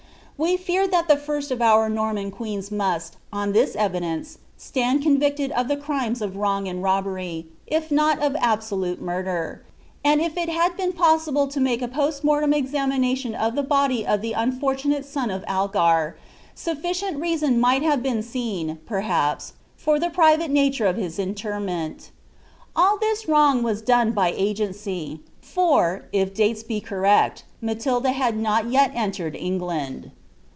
We feur tbal the first of our Normal) queens must, on this evidencn. •land conxiettd of ihe crime of wrong and robberj", if not of mlmdntr inunler; and if tl liad been posMible to make a posl mortem exaininalkNi ; on the body of ilie nnfonnnaie son tif Algar, sufficient reason nuglil have btwn seen, perhaps, for the piinw nainre of his interment AH this wrong wn« done hy agency ; for, If dates be correct, Matilda hx) not yet eniored Englani!.